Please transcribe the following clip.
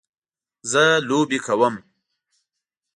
زه لوبې کوم